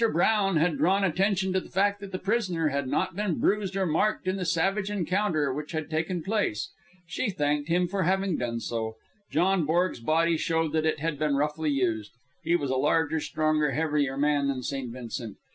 Brown had drawn attention to the fact that the prisoner had not been bruised or marked in the savage encounter which had taken place. She thanked him for having done so. John Borg's body showed that it had been roughly used. He was a larger, stronger, heavier man than St. Vincent.